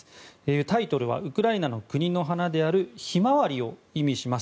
タイトルはウクライナの国の花であるヒマワリを意味します